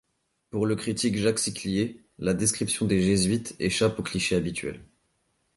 Pour le critique Jacques Siclier, la description des jésuites échappe aux clichés habituels.